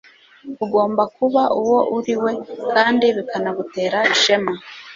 ugomba kuba uwo uriwe kandi bikanagutera ishema